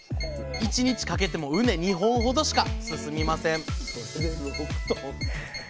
１日かけても畝２本ほどしか進みません